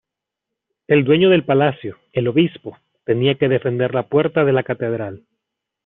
El dueño del palacio, el obispo, tenía que defender la puerta de la catedral.